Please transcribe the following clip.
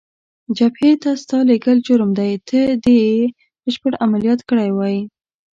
جبهې ته ستا لېږل جرم دی، ته دې یې بشپړ عملیات کړی وای.